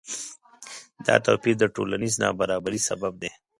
دا توپیر د ټولنیز نابرابری سبب دی.